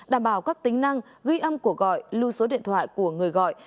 đảm bảo các tính năng ghi âm của gọi lưu số điện thoại của người gọi